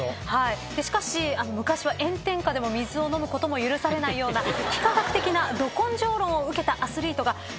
しかし昔は炎天下でも水を飲むことも許されないような非科学的など根性論を受けたアスリートが数多く存在します。